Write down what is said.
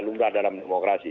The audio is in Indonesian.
lumrah dalam demokrasi